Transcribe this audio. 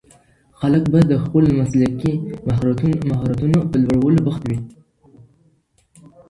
خلګ به د خپلو مسلکي مهارتونو په لوړولو بوخت وي.